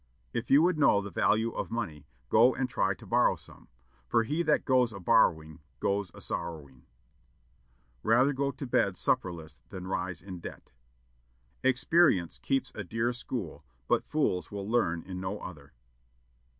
"If you would know the value of money, go and try to borrow some; for he that goes a borrowing goes a sorrowing." "Rather go to bed supperless than rise in debt." "Experience keeps a dear school, but fools will learn in no other."